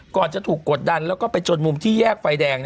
จะถูกกดดันแล้วก็ไปจนมุมที่แยกไฟแดง